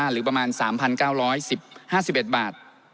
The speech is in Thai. หรือประมาณ๓๙๕๑บาท